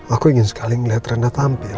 aku ingin sekali ngeliat rendah tampil